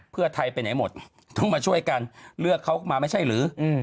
เพื่อไทยไปไหนหมดต้องมาช่วยกันเลือกเขามาไม่ใช่หรือ